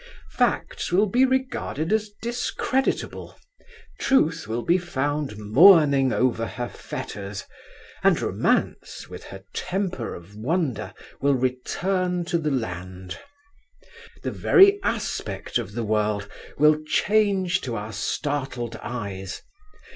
Facts will be regarded as discreditable, Truth will be found mourning over her fetters, and Romance, with her temper of wonder, will return to the land. The very aspect of the world will change to our startled eyes.